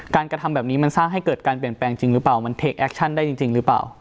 กระทำแบบนี้มันสร้างให้เกิดการเปลี่ยนแปลงจริงหรือเปล่ามันเทคแอคชั่นได้จริงหรือเปล่า